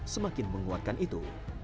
semakin menguatkan itu